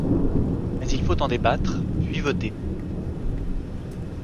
Mais il faut en débattre, puis voter.